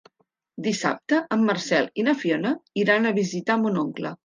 Dissabte en Marcel i na Fiona iran a visitar mon oncle.